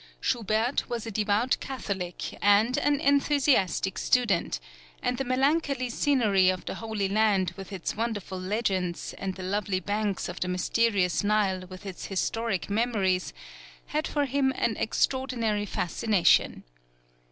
Schubert was a devout Catholic and an enthusiastic student, and the melancholy scenery of the Holy Land with its wonderful legends, and the lovely banks of the mysterious Nile with its historic memories, had for him an extraordinary fascination.